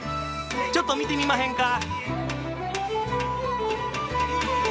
ちょっと見てみまへんか？